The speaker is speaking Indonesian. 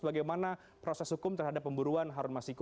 bagaimana proses hukum terhadap pemburuan harun masiku